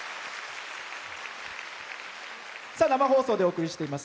生放送でお送りしています